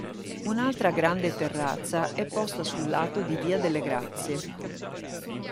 Un'altra grande terrazza è posta sul lato di via delle Grazie.